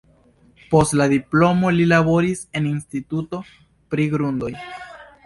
Post la diplomo li laboris en instituto pri grundoj.